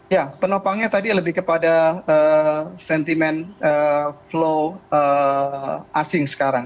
ya penopangnya tadi lebih kepada sentimen flow asing sekarang